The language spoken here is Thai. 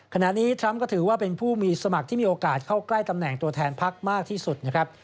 ทรัมป์ก็ถือว่าเป็นผู้มีสมัครที่มีโอกาสเข้าใกล้ตำแหน่งตัวแทนพักมากที่สุดนะครับ